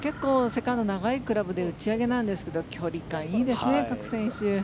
セカンド長いクラブで打ち上げなんですけど距離感いいですね、各選手。